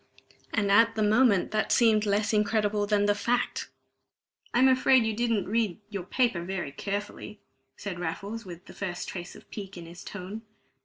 And at the moment that seemed less incredible than the fact. "I'm afraid you didn't read your paper very carefully," said Raffles, with the first trace of pique in his tone.